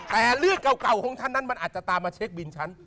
แต่เลือดเก่าของท่านนั้นมันอาจจะตามมาเช็คบินฉัน